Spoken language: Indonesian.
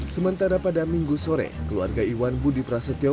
sementara pada minggu sore keluarga iwan budi prasetyo